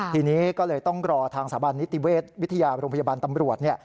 ทีนี้ก็เลยต้องรอทางสถาบันนิติเวชวิทยาโรงพยาบาลตำรวจ